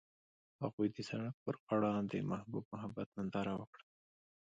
هغوی د سړک پر غاړه د محبوب محبت ننداره وکړه.